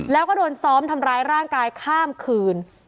แล้วก็โดนซ้อมทำร้ายร่างกายข้ามคืน